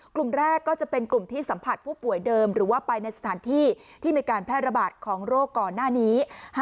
กลุ่มแรกก็จะเป็นกลุ่มที่สัมผัสผู้ป่วยเดิมหรือว่าไปในสถานที่ที่มีการแพร่ระบาดของโรคก่อนหน้านี้